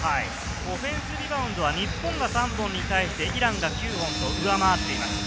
オフェンスリバウンドは日本が３本に対してイランが９本と上回っています。